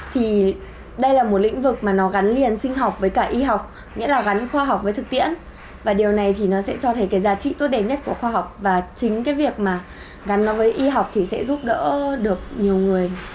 thì đây là một lĩnh vực mà nó gắn liền sinh học với cả y học nghĩa là gắn khoa học với thực tiễn và điều này thì nó sẽ cho thấy cái giá trị tốt đẹp nhất của khoa học và chính cái việc mà gắn nó với y học thì sẽ giúp đỡ được nhiều người